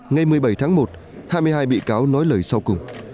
ngày một mươi bảy tháng một hai mươi hai bị cáo nói lời sau cùng